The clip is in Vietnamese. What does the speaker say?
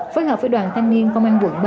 phối hợp với đoàn thanh niên công an quận năm